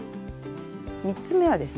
３つ目はですね